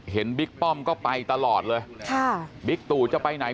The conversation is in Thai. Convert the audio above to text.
บิ๊กป้อมก็ไปตลอดเลยค่ะบิ๊กตู่จะไปไหน